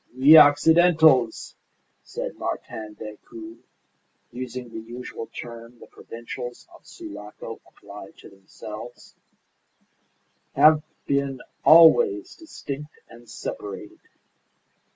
"We Occidentals," said Martin Decoud, using the usual term the provincials of Sulaco applied to themselves, "have been always distinct and separated.